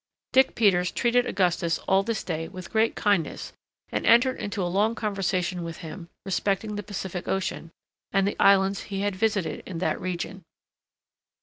Dirk Peters treated Augustus all this day with great kindness and entered into a long conversation with him respecting the Pacific Ocean, and the islands he had visited in that region.